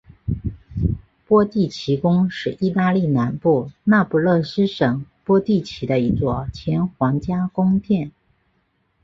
波蒂奇宫是意大利南部那不勒斯省波蒂奇的一座前皇家宫殿。